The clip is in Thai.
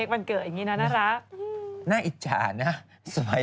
เป็นต้นอว่าใจ